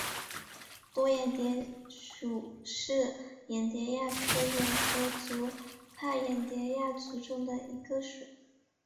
多眼蝶属是眼蝶亚科眼蝶族帕眼蝶亚族中的一个属。